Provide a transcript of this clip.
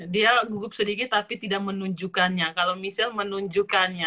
dia gugup sedikit tapi tidak menunjukkannya kalau misal menunjukkannya